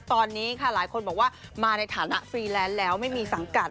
ตอนนี้ค่ะหลายคนบอกว่ามาในฐานะฟรีแลนซ์แล้วไม่มีสังกัด